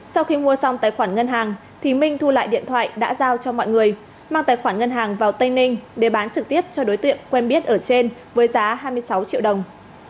sau khi mua xong tài khoản ngân hàng thì minh thu lại điện thoại đã giao cho mọi người mang tài khoản ngân hàng vào tây ninh để bán trực tiếp cho đối tượng quen biết ở trên với giá hai mươi sáu triệu đồng